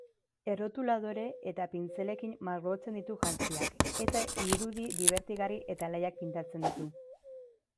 Errotuladore eta pintzelekin margotzen ditu jantziak eta irudi dibertigarri eta alaiak pintatzen ditu.